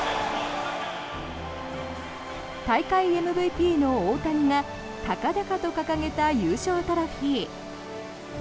大会ＭＶＰの大谷が高々と掲げた優勝トロフィー。